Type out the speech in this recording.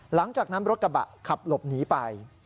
หลังจากนั้นรถกระบะขับหลบหนีไป